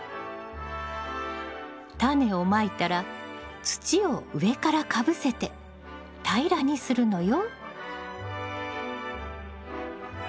タネをまいたら土を上からかぶせて平らにするのよ。